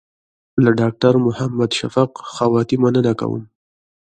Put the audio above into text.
له ډاکټر محمد شفق خواتي مننه کوم.